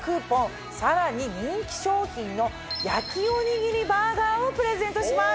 さらに人気商品の焼きおにぎりバーガーをプレゼントします！